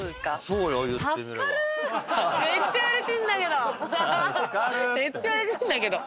めっちゃうれしいんだけど！